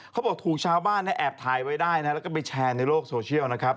เขาบอกถูกชาวบ้านแอบถ่ายไว้ได้นะแล้วก็ไปแชร์ในโลกโซเชียลนะครับ